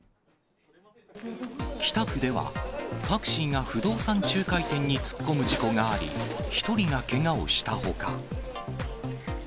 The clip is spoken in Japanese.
北区では、タクシーが不動産仲介店に突っ込む事故があり、１人がけがをしたほか。